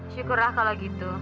syukurlah kalau gitu